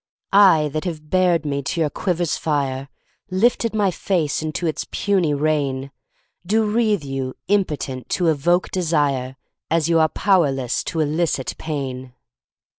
I, that have bared me to your quiver's fire, Lifted my face into its puny rain, Do wreathe you Impotent to Evoke Desire As you are Powerless to Elicit Pain!